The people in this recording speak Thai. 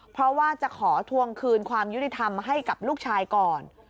เพราะว่าจะขอทวงคืนความยุติธรรมให้กับลูกชายก่อน